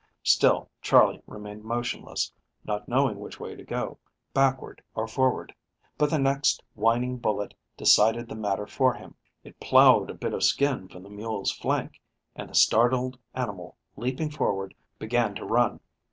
Still Charley remained motionless, not knowing which way to go, backward or forward, but the next whining bullet decided the matter for him. It plowed a bit of skin from the mule's flank, and the startled animal, leaping forward, began to run.